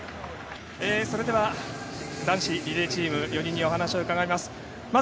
それでは男子リレーチーム４人にお話を伺います。